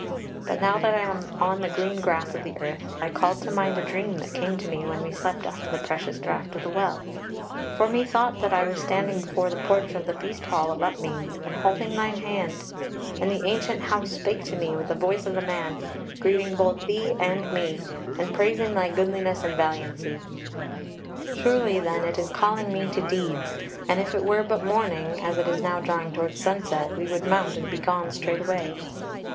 But now that I am on the green grass of the earth I called to mind a dream that came to me when we slept after the precious draught of the Well: for methought that I was standing before the porch of the Feast hall of Upmeads and holding thine hand, and the ancient House spake to me with the voice of a man, greeting both thee and me, and praising thy goodliness and valiancy. Surely then it is calling me to deeds, and if it were but morning, as it is now drawing towards sunset, we would mount and be gone straightway."